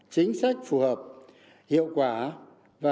chính sách phù hợp hiệu quả và